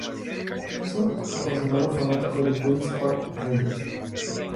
Es un apasionado fanático de Queens Park Rangers.